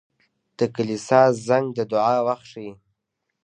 • د کلیسا زنګ د دعا وخت ښيي.